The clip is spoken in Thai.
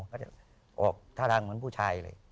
ก็จะออกท่าทางเหมือนผู้ชายเลย